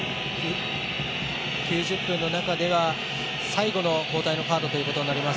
９０分の中では最後の交代のカードとなります。